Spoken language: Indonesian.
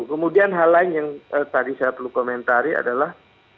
kemudian hal lain yang tadi saya perlu komentari adalah